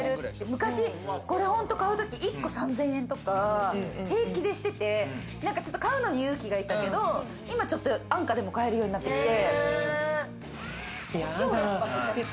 昔、これ１個３０００円とか平気でしてて、買うのに勇気がいったけど、今安価でも買えるようになってて。